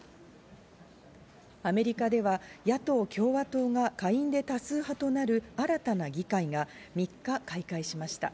アメリカでは野党・共和党が下院で多数派となる新たな議会が３日、開会しました。